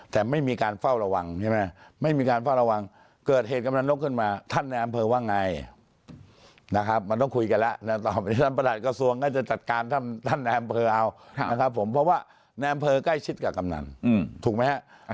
แต่ไม่มีการเฝ้าระวังใช่ไหมไม่มีการเฝ้าระวังเกิดเหตุกำลังนกขึ้นมาท่านในอำเภอว่าไงนะครับมันต้องคุยกันแล้วแล้วตอนนี้ท่านประหลัดกระทรวงก็จะจัดการท่านในอำเภอเอานะครับผมเพราะว่าในอำเภอใกล้ชิดกับกำนันถูกไหมฮะ